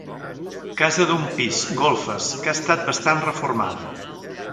Casa d'un pis golfes que ha estat bastant reformada.